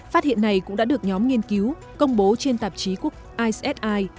phát hiện này cũng đã được nhóm nghiên cứu công bố trên tạp chí quốc issi